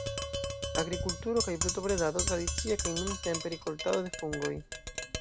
Agrikulturo kaj brutobredado tradicie kaj nuntempe rikoltado de fungoj.